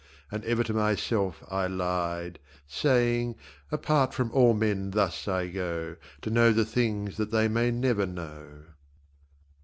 And ever to myself I lied, Saying, 'Apart from all men thus I go To know the things that they may never know.'